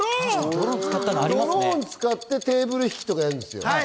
ドローン使ってケーブル引きとかやるんですよ。